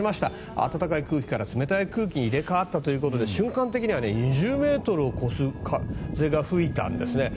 暖かい空気から冷たい空気に入れ替わって瞬間的には２０ｍを超す風が吹いたんですね。